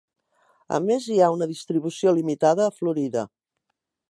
A més, hi ha una distribució limitada a Florida.